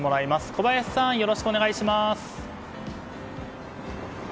小林さん、よろしくお願いします。